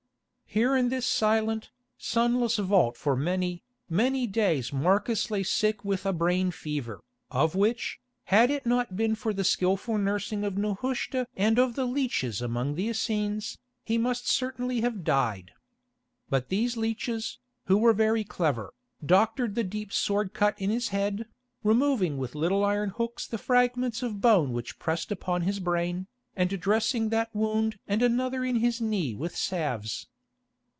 Here in this silent, sunless vault for many, many days Marcus lay sick with a brain fever, of which, had it not been for the skilful nursing of Nehushta and of the leeches among the Essenes, he must certainly have died. But these leeches, who were very clever, doctored the deep sword cut in his head, removing with little iron hooks the fragments of bone which pressed upon his brain, and dressing that wound and another in his knee with salves.